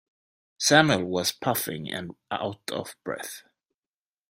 Samuel was puffing and out of breath.